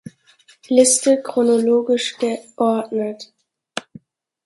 Liste chronologisch geordnet